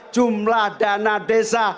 jumlah dana desa